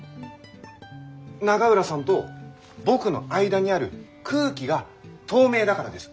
永浦さんと僕の間にある空気が透明だからです。